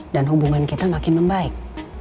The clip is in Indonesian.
dan hubungan kita makin membaik